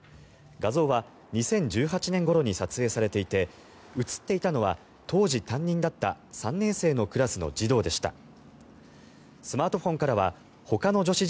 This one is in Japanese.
画像は２０１８年ごろに撮影されていて写っていたのは当時担任だった３年生のクラスの児童でした。